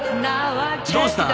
どうした？